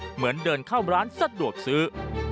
เหมือนเดินเข้าร้านสะดวกซื้อ